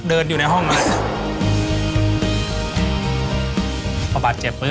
กี่ครับ